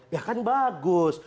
ya kan bagus